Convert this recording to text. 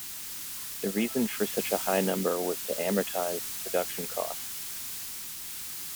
The reason for such a high number was to amortise the production costs.